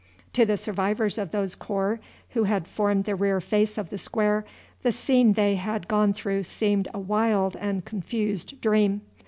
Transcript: To the survivors of those corps who had formed the rear face of the square, the scene they had gone through seemed a wild and confused dream.